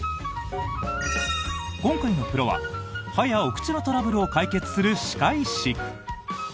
今回のプロは歯やお口のトラブルを解決する歯科医師。